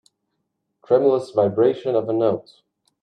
Tremulous vibration of a note